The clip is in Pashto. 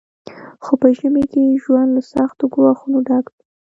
خو په ژمي کې ژوند له سختو ګواښونو ډک وي